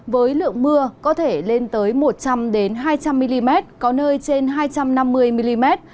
với lượng mưa có thể lên tới một trăm linh hai trăm linh mm có nơi trên hai trăm năm mươi mm